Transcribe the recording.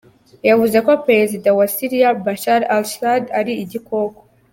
Yavuze ko Prezida wa Siriya Bashar al-Assad ari "igikoko".